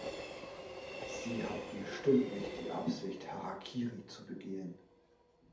Sie hatten bestimmt nicht die Absicht, Harakiri zu begehen.